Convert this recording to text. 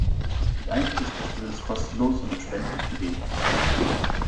Der Eintritt des Festival ist kostenlos und um Spenden wird gebeten.